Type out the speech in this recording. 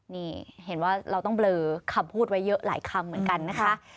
นี่เห็นว่าเราต้องเบลอคำพูดไว้เยอะหลายคำเหมือนกันนะคะ